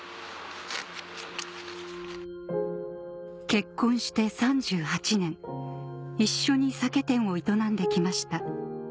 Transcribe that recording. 結婚して３８年一緒に酒店を営んできました